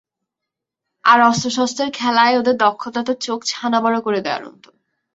আর, অস্ত্রশস্ত্রের খেলায় ওদের দক্ষতা তো চোখ ছানাবড়া করে দেওয়ার মতো!